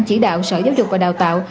chỉ đạo sở giáo dục và đào tạo